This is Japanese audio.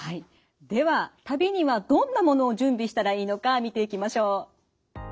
では旅にはどんなものを準備したらいいのか見ていきましょう。